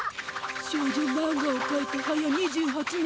少女マンガをかいてはや２８年。